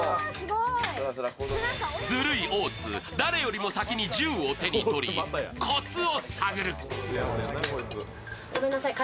ずるい大津、誰よりも先に銃を手に取り、コツを探る。